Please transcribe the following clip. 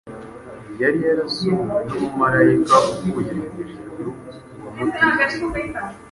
yari yarasuwe n’umumarayika uvuye mu ijuru wamutegetse